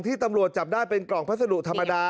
ตำรวจจับได้เป็นกล่องพัสดุธรรมดา